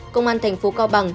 công an tp cao bằng